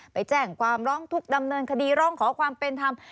ไปแจ้งความร้องทุกข์ดำเนินคดีร้องขอความเป็นธรรม